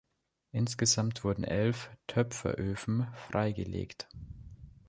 Insgesamt wurden elf Töpferöfen freigelegt.